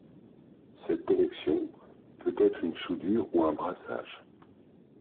Cette connexion peut être une soudure ou un brassage.